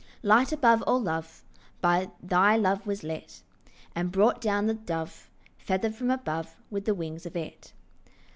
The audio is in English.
Light above all love By thy love was lit, And brought down the Dove Feathered from above With the wings of it.